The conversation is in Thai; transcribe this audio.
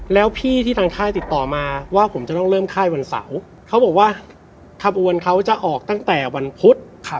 แล้วพี่ที่ทางค่ายติดต่อมาว่าผมจะต้องเริ่มค่ายวันเสาร์เขาบอกว่าขบวนเขาจะออกตั้งแต่วันพุธ